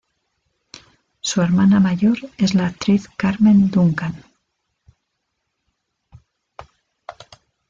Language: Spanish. Su hermana mayor es la actriz Carmen Duncan.